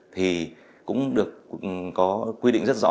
thì cũng được quy định rất rõ